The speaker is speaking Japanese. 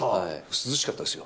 涼しかったですよ。